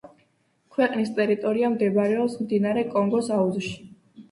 ქვეყნის ტერიტორია მდებარეობს მდინარე კონგოს აუზში.